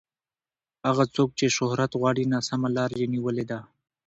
هغه څوک چې شهرت غواړي ناسمه لار یې نیولې ده.